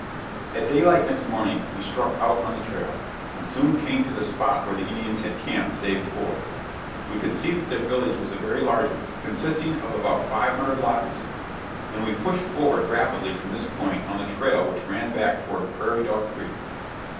At daylight next morning we struck out on the trail, and soon came to the spot where the Indians had camped the day before. We could see that their village was a very large one, consisting of about five hundred lodges; and we pushed forward rapidly from this point on the trail which ran back toward Prairie Dog Creek.